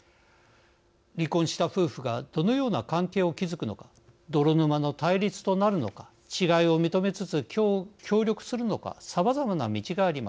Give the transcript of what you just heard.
離婚した夫婦がどのような関係を築くのか泥沼の対立となるのか違いを認めつつ協力するのかさまざまな道があります。